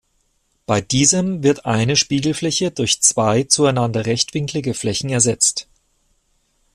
Bei diesem wird eine Spiegelfläche durch zwei zueinander rechtwinklige Flächen ersetzt.